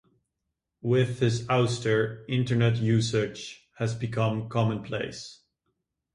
With his ouster, Internet usage has become commonplace.